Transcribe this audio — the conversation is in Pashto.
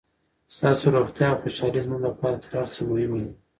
ستاسو روغتیا او خوشحالي زموږ لپاره تر هر څه مهمه ده.